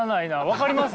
分かります？